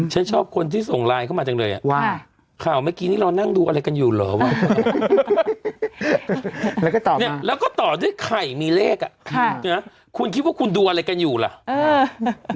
ฉันชอบคนที่ส่งไลน์เข้ามาจังเลยอะข่าวเมื่อกี้นี่เรานั่งดูอะไรกันอยู่หรือว่ะแล้วก็ตอบด้วยไข่มีเลขอะคุณคิดว่าคุณดูอะไรกันอยู่หรือ